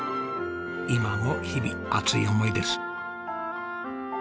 今も日々熱い思いです。